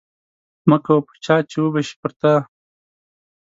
مه کوه په چا چې وبه شي پر تا